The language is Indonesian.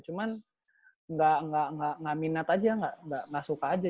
cuman nggak minat aja nggak suka aja